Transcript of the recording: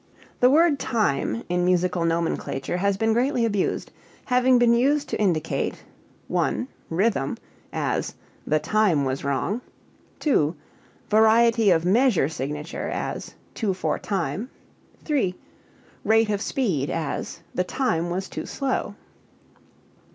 The word time in musical nomenclature has been greatly abused, having been used to indicate: (1) Rhythm; as "the time was wrong." (2) Variety of measure signature; as "two four time." (3) Rate of speed; as "the time was too slow."